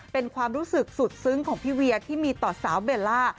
เป็นความรู้สึกสุดซึ้งของพี่เวียที่มีต่อสาวเบลล่า